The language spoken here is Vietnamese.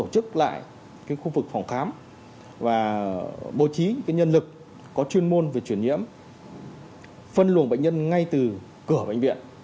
các bệnh nhân được phân luồng ngay từ cửa bệnh viện